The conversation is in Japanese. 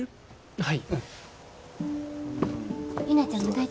はい。